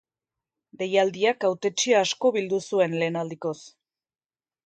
Deialdiak hautetsi asko bildu zuen lehen aldikoz.